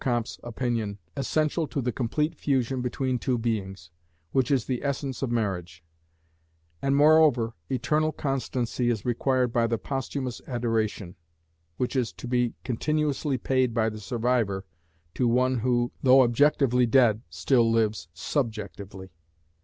Comte's opinion, essential to the complete fusion between two beings, which is the essence of marriage; and moreover, eternal constancy is required by the posthumous adoration, which is to be continuously paid by the survivor to one who, though objectively dead, still lives "subjectively."